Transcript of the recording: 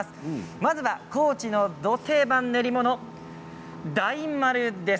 まずは高知の、ど定番の練り物大丸です。